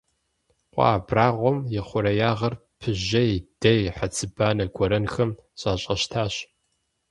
Къуэ абрагъуэм и хъуреягъыр пыжьей, дей, хьэцыбанэ гуэрэнхэм зэщӀащтащ.